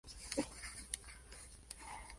Roquetas pase a aspirar al ascenso en poco tiempo.